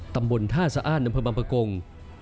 ตำบลท่าสะอ้านนำพื้นบำปะกง